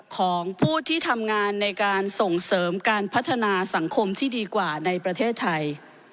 ของผู้ที่ทำงานในการส่งเสริมการพัฒนาสังคมที่ดีกว่าในประเทศไทย